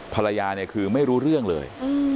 ภรรยาคือไม่รู้เรื่องเลย